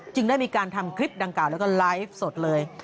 ได้มีการทำคลิปดังกล่าแล้วก็ไลฟ์สดเลย